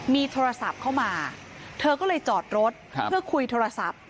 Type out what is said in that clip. มีโทรศัพท์เข้ามาเธอก็เลยจอดรถเพื่อคุยโทรศัพท์